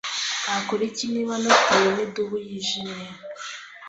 Nakora iki niba natewe nidubu yijimye?